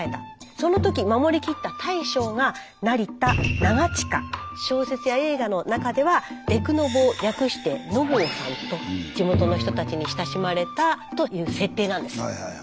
その時守りきった大将が小説や映画の中では「木偶の坊」略して「のぼうさん」と地元の人たちに親しまれたという設定なんです。